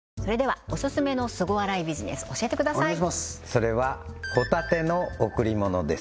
それはホタテのおくりものです